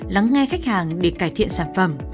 lắng nghe khách hàng để cải thiện sản phẩm